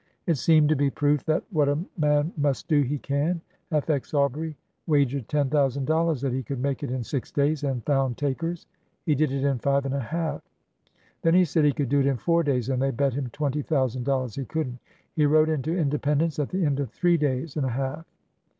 It seemed to be proof that what a man must do he can. F. X. Aubrey wagered ten thousand dollars that he could make it in six days, and 352 ORDER NO. 11 found takers. He did it in five and a half. Then he said he could do it in four days, and they bet him twenty thousand dollars he could n't. He rode into Independence at the end of three days and a half!